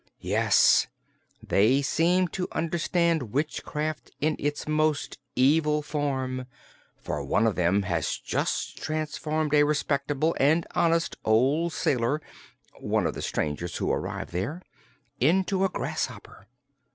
"Yes, they seem to understand witchcraft in its most evil form, for one of them has just transformed a respectable and honest old sailor one of the strangers who arrived there into a grasshopper.